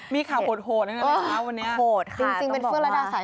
มีข่าวโหดนะครับวันนี้